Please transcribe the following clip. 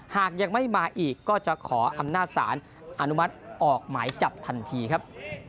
หากยังไม่มาอีกก็จะขออำนาจศาลอนุมัติออกหมายจับทันทีครับ